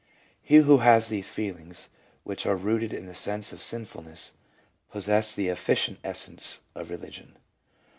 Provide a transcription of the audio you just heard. He who has these feelings — which are rooted in the sense of sinfulness — possesses the efficient essence of religion.